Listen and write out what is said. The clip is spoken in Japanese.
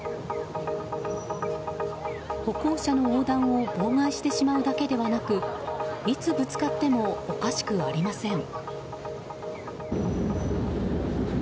歩行者の横断を妨害してしまうだけではなくいつぶつかってもおかしくありません。